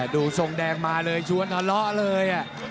ดูทรงแดงมาเลยชวนหล่อเลย